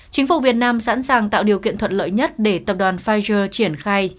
chính phủ việt nam sẵn sàng tạo điều kiện thuận lợi nhất để tập đoàn pfizer triển khai